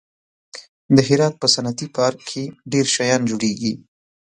د هرات په صنعتي پارک کې ډېر شیان جوړېږي.